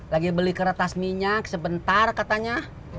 lagi beli kertas minyak sebentar katanya